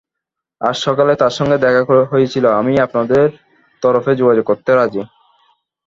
আজ সকালেই তার সঙ্গে দেখা হয়েছিল, আমি আপনাদের তরফে যোগাযোগ করতে রাজি।